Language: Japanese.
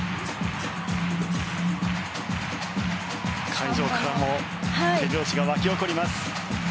会場からも手拍子が沸き起こります。